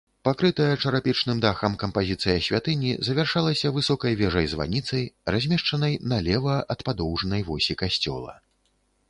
Пакрытая чарапічным дахам кампазіцыя святыні завяршалася высокай вежай-званіцай, размешчанай налева ад падоўжнай восі касцёла.